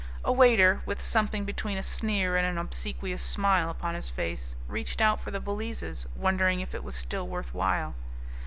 A waiter, with something between a sneer and an obsequious smile upon his face, reached out for the valises, wondering if it was still worth while.